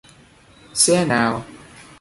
Xe nào